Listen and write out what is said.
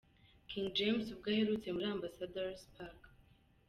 King James ubwo aherutse muri Ambassador's Park.